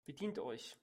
Bedient euch!